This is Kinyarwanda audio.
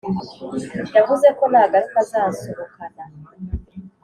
yavuze ko nagaruka azansohokana